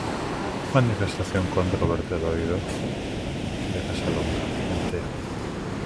Manifestación contra o vertedoiro de Casalonga, en Teo.